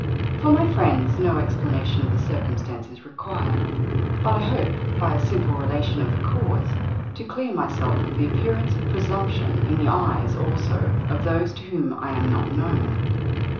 For my friends no explanation of the circumstance is required; but I hope by a simple relation of the cause to clear myself of the appearance of presumption in the eyes also of those to whom I am not known.